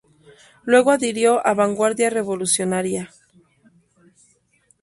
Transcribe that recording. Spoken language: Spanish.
Luego adhirió a Vanguardia Revolucionaria.